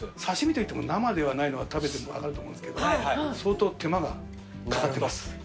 刺し身といっても生ではないのは食べても分かると思うんですけど相当手間がかかってます。